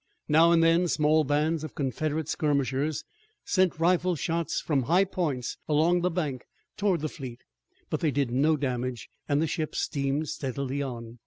Now and then small bands of Confederate skirmishers sent rifle shots from high points along the bank toward the fleet, but they did no damage and the ships steamed steadily on.